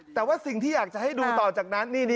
แต่ว่าสิ่งที่อยากจะให้ดูต่อจากนั้น